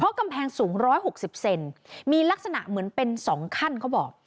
เพราะกำแพงสูงร้อยหกสิบเซนติเมตรมีลักษณะเหมือนเป็นสองขั้นเขาบอก